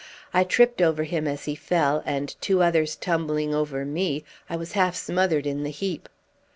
I tripped over him as he fell, and two others tumbling over me I was half smothered in the heap.